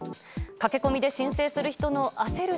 駆け込みで申請する人の焦る